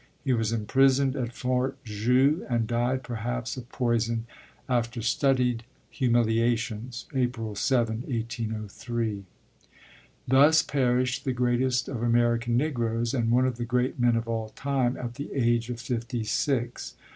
He was imprisoned at Fort Joux and died, perhaps of poison, after studied humiliations, April 7, 1803. Thus perished the greatest of American Negroes and one of the great men of all time, at the age of fifty six.